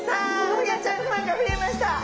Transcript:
ホヤちゃんファンが増えました。